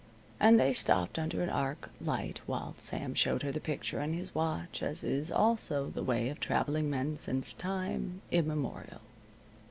And they stopped under an arc light while Sam showed her the picture in his watch, as is also the way of traveling men since time immemorial.